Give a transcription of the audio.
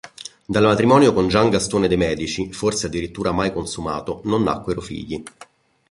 Dal matrimonio con Gian Gastone de' Medici, forse addirittura mai consumato, non nacquero figli.